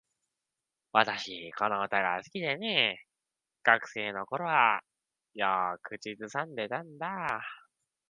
私、この歌が好きでね。学生の頃はよく口ずさんでたんだ。